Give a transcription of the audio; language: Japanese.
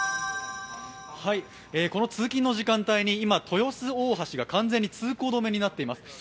この通勤の時間帯に豊洲大橋が完全に通行止めになっています。